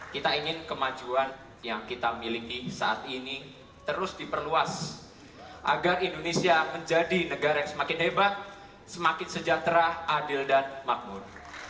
kita ingin kemajuan yang kita miliki saat ini terus diperluas agar indonesia menjadi negara yang semakin hebat semakin sejahtera adil dan makmur